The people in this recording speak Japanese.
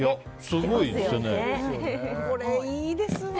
すごいですね。